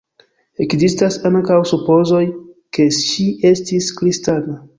Ekzistas ankaŭ supozoj, ke ŝi estis kristana.